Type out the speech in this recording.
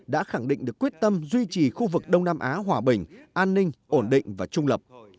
đã khẳng định được quyết tâm duy trì khu vực đông nam á hòa bình an ninh ổn định và trung lập